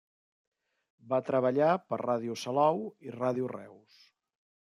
Va treballar per Ràdio Salou i Ràdio Reus.